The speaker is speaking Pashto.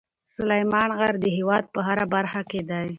سلیمان غر د هېواد په هره برخه کې دی.